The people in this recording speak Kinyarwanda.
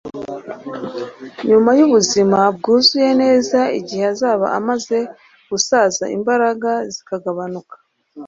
Nyuma y'ubuzima bwuzuye neza, igihe azaba amaze gusaza imbaraga zikagabanuka,